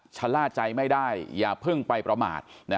ชะล่าใจไม่ได้อย่าเพิ่งไปประมาท